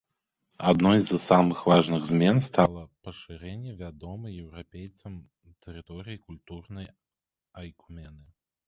Адной з самых важных змен стала пашырэнне вядомай еўрапейцам тэрыторыі культурнай айкумены.